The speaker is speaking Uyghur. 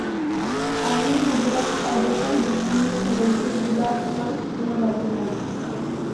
— ئالىي ھەزرەت، ئالدىسام بېشىمنى تېنىمدىن جۇدا قىلىڭ، مەن رازىمەن.